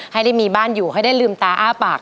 ให้ได้มีบ้านอยู่ให้ได้ลืมตาอ้าปาก